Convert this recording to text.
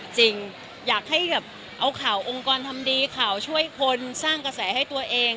จริงอยากให้แบบเอาข่าวองค์กรทำดีข่าวช่วยคนสร้างกระแสให้ตัวเอง